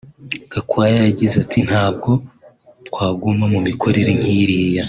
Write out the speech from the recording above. Gakwaya yagize ati “Ntabwo twaguma mu mikorere nk’iriya